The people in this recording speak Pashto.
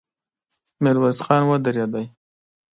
ميرويس خان ودرېد.